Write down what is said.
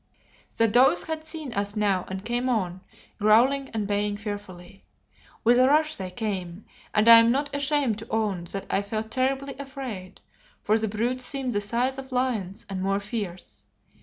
The dogs had seen us now and came on, growling and baying fearfully. With a rush they came, and I am not ashamed to own that I felt terribly afraid, for the brutes seemed the size of lions and more fierce.